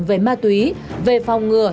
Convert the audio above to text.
về ma túy về phòng ngừa